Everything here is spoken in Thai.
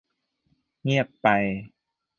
เงียบไป